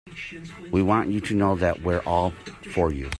We want you to know that we're all for you.